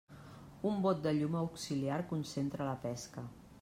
Un bot de llum auxiliar concentra la pesca.